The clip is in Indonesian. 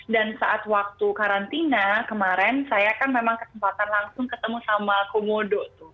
dan saat waktu karantina kemarin saya kan memang kesempatan langsung ketemu sama komodo